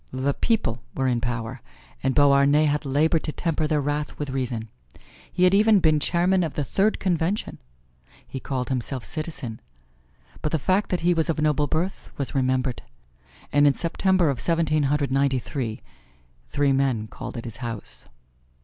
The people were in power and Beauharnais had labored to temper their wrath with reason. He had even been Chairman of the Third Convention. He called himself Citizen. But the fact that he was of noble birth was remembered, and in September of Seventeen Hundred Ninety three, three men called at his house.